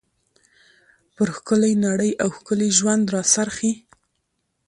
پر ښکلى نړۍ او ښکلي ژوند را څرخي.